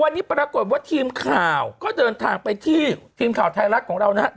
วันนี้ปรากฏว่าทีมข่าวก็เดินทางไปที่ทีมข่าวไทยรัฐของเรานะฮะ